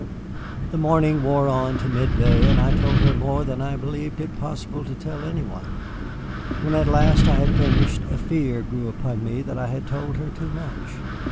The morning wore on to midday, and I told her more than I believed it possible to tell any one. When at last I had finished a fear grew upon me that I had told her too much.